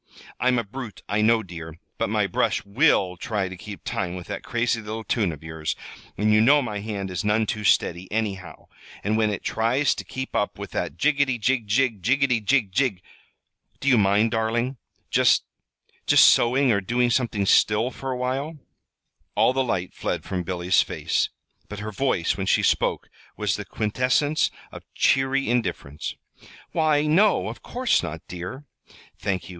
I'm a brute, I know, dear, but my brush will try to keep time with that crazy little tune of yours, and you know my hand is none too steady, anyhow, and when it tries to keep up with that jiggety, jig, jig, jiggety, jig, jig ! Do you mind, darling, just just sewing, or doing something still for a while?" All the light fled from Billy's face, but her voice, when she spoke, was the quintessence of cheery indifference. "Why, no, of course not, dear." "Thank you.